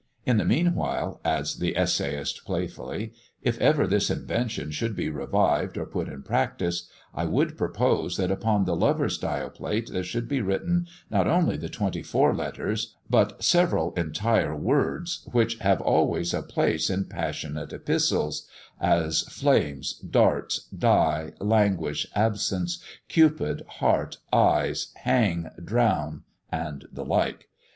In the meanwhile (adds the Essayist, playfully), if ever this invention should be revived, or put in practice, I would propose that upon the lovers' dial plate there should be written, not only the twenty four letters, but several entire words which have always a place in passionate epistles; as flames, darts, die, languish, absence, Cupid, heart, eyes, hang, drown and the like.